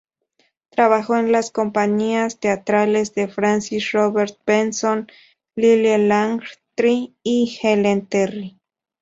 Trabajó en las compañías teatrales de Francis Robert Benson, Lillie Langtry, y Ellen Terry.